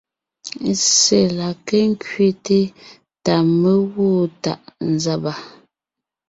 Ssé la ké ńkẅéte ta mé gwoon tàʼ nzàba.